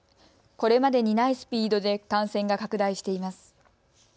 これまでにないスピードで感染が拡大しています。